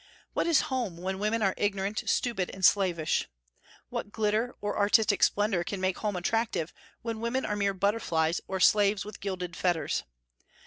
What is home when women are ignorant, stupid, and slavish? What glitter or artistic splendor can make home attractive when women are mere butterflies or slaves with gilded fetters?